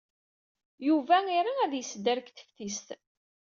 Yuba ira ad yesder deg teftist.